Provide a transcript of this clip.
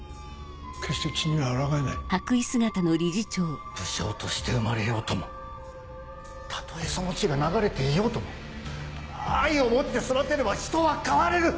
決して血にはあらがえない武将として生まれようともたとえその血が流れていようとも愛を持って育てれば人は変われる！